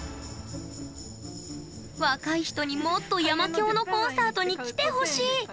若い人にもっと山響のコンサートに来てほしい。